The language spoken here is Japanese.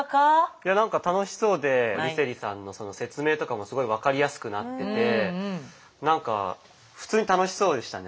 いやなんか楽しそうで梨星さんの説明とかもすごい分かりやすくなっててなんか普通に楽しそうでしたね。